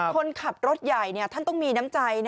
คนขับรถใหญ่ท่านต้องมีน้ำใจ